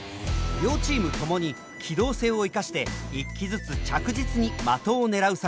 両チームともに機動性を生かして１機ずつ着実に的を狙う作戦です。